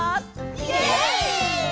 イエイ！